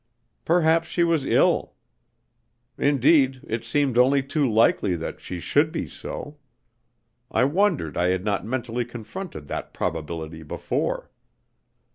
Perhaps she was ill. Indeed, it seemed only too likely that she should be so. I wondered I had not mentally confronted that probability before.